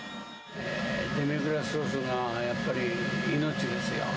デミグラスソースがやっぱり命ですよ。